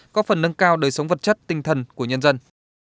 có phần nâng cao đời sống vật chất tinh thần của nhân dân